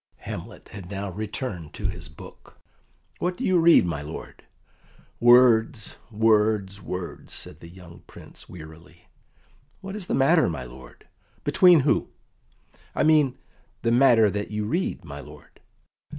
Hamlet had now returned to his book. "What do you read, my lord?" "Words words words," said the young Prince wearily. "What is the matter, my lord?" "Between who?" "I mean, the matter that you read, my lord?"